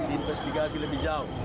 diinvestigasi lebih jauh